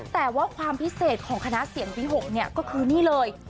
แต่ว่าความพิเศษของคณะเสียงที่๖เนี่ยก็คือนี่เลย